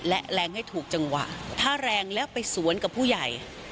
และแรงให้ถูกจังหวะถ้าแรงแล้วไปสวนกับผู้ใหญ่